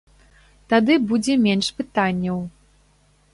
Тады будзе менш пытанняў.